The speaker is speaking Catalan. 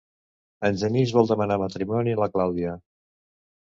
En Genís vol demanar matrimoni a la Claudia.